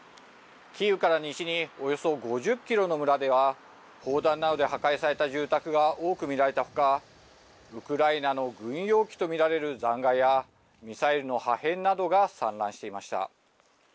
キーウから西におよそ５０キロの村では、砲弾などで破壊された住宅が多く見られたほか、ウクライナの軍用機と見られる残骸や、ミサイルの破片などが散乱していました。